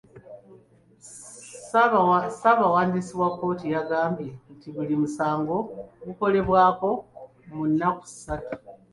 Ssaabawandiisi wa kkooti yagambye nti buli musango gukolebwako mu nnaku ssatu.